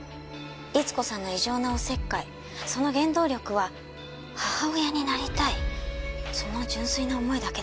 律子さんの異常なお節介その原動力は母親になりたいその純粋な思いだけです。